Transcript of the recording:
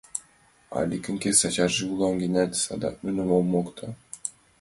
Аликын кресачаже улам гынат, садак нуным ом мокто.